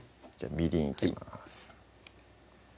みりんいきます